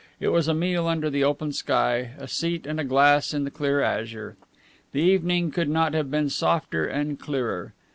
It was a meal under the open sky, a seat and a glass in the clear azure. The evening could not have been softer and clearer.